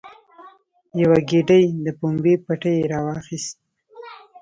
یوه ګېډۍ د پمبې پټی یې راواخیست.